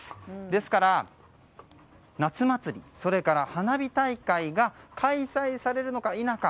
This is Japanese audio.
ですから夏祭り、それから花火大会が開催されるのか否か